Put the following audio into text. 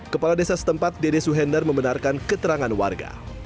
kepala desa setempat dede suhendar membenarkan keterangan warga